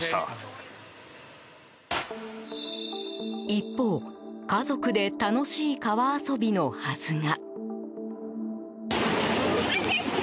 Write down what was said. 一方、家族で楽しい川遊びのはずが。